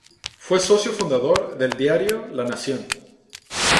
Fue socio fundador del Diario La Nación.